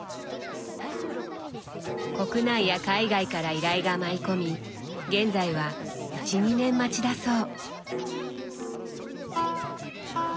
国内や海外から依頼が舞い込み現在は１２年待ちだそう。